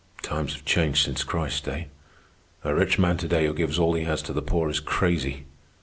Times have changed since Christ's day. A rich man to day who gives all he has to the poor is crazy.